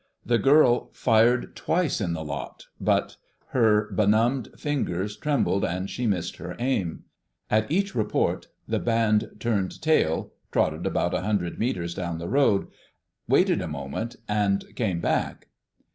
The girl fired twice in the lot, but her benumbed fingers trembled and she missed her aim. At each report the band turned tail, trotted about a hundred metres down the road, waited a moment and came back.